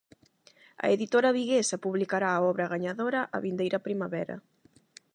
A editora viguesa publicará a obra gañadora a vindeira primavera.